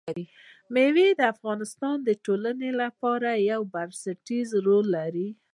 مېوې د افغانستان د ټولنې لپاره یو بنسټيز رول لري.